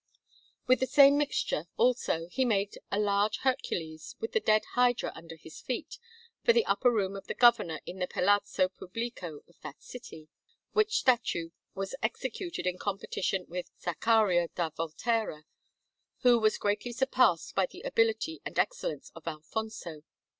With the same mixture, also, he made a large Hercules with the dead Hydra under his feet, for the upper room of the Governor in the Palazzo Pubblico of that city; which statue was executed in competition with Zaccaria da Volterra, who was greatly surpassed by the ability and excellence of Alfonso.